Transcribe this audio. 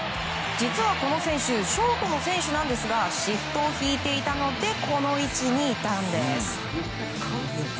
実は、この選手ショートの選手なんですがシフトを敷いていたのでこの位置にいたんです。